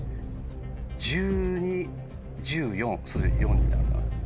１２１４それで４になるな。